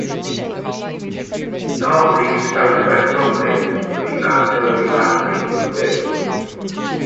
Northeast-southwest runways, were the artillery battery emplacements.